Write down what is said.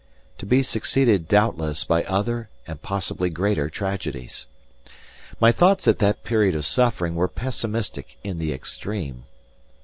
To be succeeded, doubtless, by other and possibly greater tragedies. My thoughts at that period of suffering were pessimistic in the extreme.